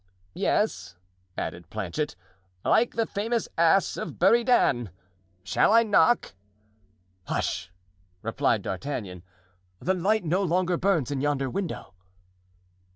"Yes," added Planchet, "like the famous ass of Buridan. Shall I knock?" "Hush!" replied D'Artagnan; "the light no longer burns in yonder window."